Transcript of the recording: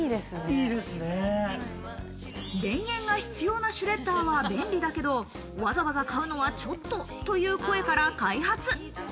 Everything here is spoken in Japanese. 電源が必要なシュレッダーは便利だけど、わざわざ買うのはちょっとという声から開発。